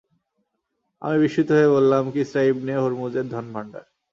আমি বিস্মিত হয়ে বললাম, কিসরা ইবনে হুরমুজের ধনভাণ্ডার।